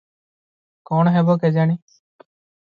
କଣ ହେବ କେଜାଣି?